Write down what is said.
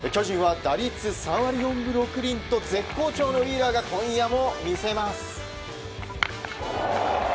巨人は打率３割４分６厘と絶好調のウィーラーが今夜も見せます。